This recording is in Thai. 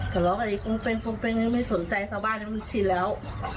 ถ้าล้อไว้กันอีกปรุงเพลงนี่ไม่สนใจเพราะบ้านมันชินแล้ว